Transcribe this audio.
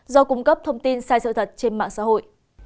do cung cấp thông tin sai sự thật trên mạng xã hội